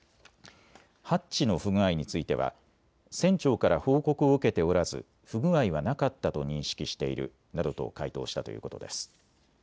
ハッチの不具合については船長から報告を受けておらず不具合はなかったと認識しているなどと回答したということです。